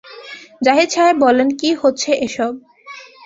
জাহিদ সাহেব বললেন, কী হচ্ছে এ-সব!